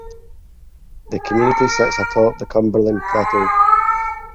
The community sits atop the Cumberland Plateau.